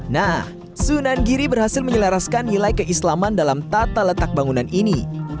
nah sunan giri berhasil menyelaraskan nilai keislaman dalam tata letak bangunan ini